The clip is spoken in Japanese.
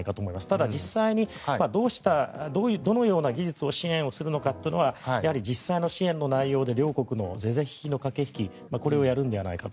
ただ、実際にどのような技術を支援するかというのはやはり実際の支援の内容で両国の是々非々の駆け引きでこれをやるのではないかと。